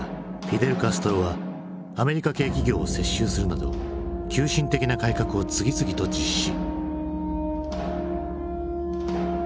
フィデル・カストロはアメリカ系企業を接収するなど急進的な改革を次々と実施。